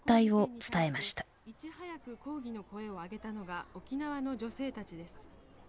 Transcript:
いち早く抗議の声を上げたのが沖縄の女性たちです。